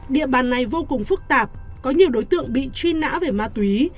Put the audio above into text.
địa bàn này vô cùng phức tạp có nhiều đối tượng bị truy nã về ma túy